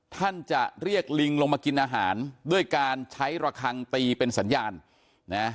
ท่านจะเรียกลิงลงมากินอาหารด้วยการใช้ระคังตีเป็นสัญญาณนะ